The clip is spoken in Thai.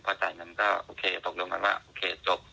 พอจ่ายเงินก็โอเคตกลงกันว่าโอเคจบ